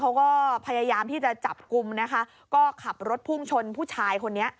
เขาก็พยายามที่จะจับกลุ่มนะคะก็ขับรถพุ่งชนผู้ชายคนนี้